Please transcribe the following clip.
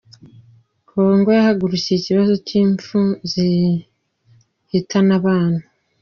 Congo yahagurukiye ikibazo cy’impfu zihitana abana